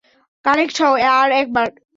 Connect হও, আর একবার।